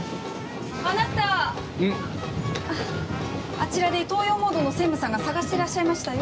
あちらで東洋モードの専務さんが探してらっしゃいましたよ。